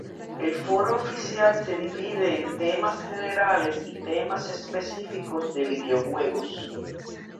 El foro oficial se divide en temas generales y temas específicos de videojuegos.